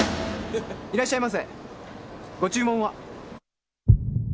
いらっしゃいませご注文は？